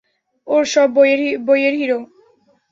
ওর সব বইয়ের হিরো।